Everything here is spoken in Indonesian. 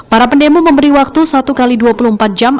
para pendemo memberi waktu satu x dua puluh empat jam